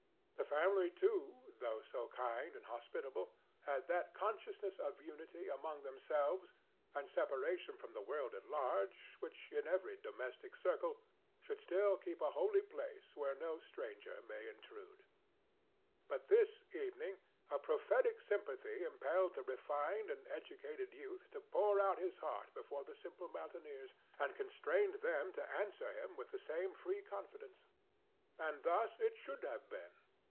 The family, too, though so kind and hospitable, had that consciousness of unity among themselves and separation from the world at large which in every domestic circle should still keep a holy place where no stranger may intrude. But this evening a prophetic sympathy impelled the refined and educated youth to pour out his heart before the simple mountaineers, and constrained them to answer him with the same free confidence. And thus it should have been.